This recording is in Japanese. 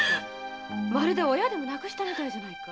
まるで親でも亡くしたみたいじゃないか。